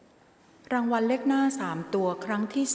รางวัลเลขหน้า๓ตัวครั้งที่๒